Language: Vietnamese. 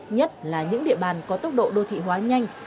nhất là những địa bàn có tốc độ đô thị hóa nhanh